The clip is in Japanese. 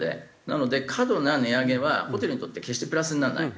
なので過度な値上げはホテルにとって決してプラスにならない。